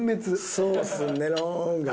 ソースネローンが。